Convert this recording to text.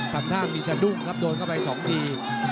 ทำท่ามีสะดุ้งครับโดนเข้าไป๒ที